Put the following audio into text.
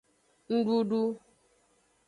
Ndudu.